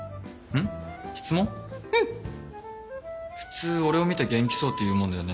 普通俺を見て元気そうって言うもんだよね。